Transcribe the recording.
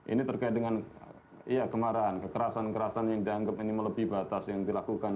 ini terkait dengan kemarahan kekerasan kekerasan yang dianggap ini melebih batas yang dilakukan